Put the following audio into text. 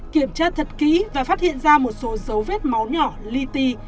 kiểm tra thật kỹ và phát hiện ra một số dấu vết máu nhỏ li ti